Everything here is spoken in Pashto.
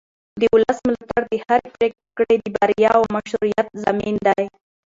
د ولس ملاتړ د هرې پرېکړې د بریا او مشروعیت ضامن دی